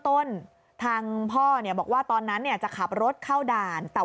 ต้นทางพ่อเนี่ยบอกว่าตอนนั้นเนี่ยจะขับรถเข้าด่านแต่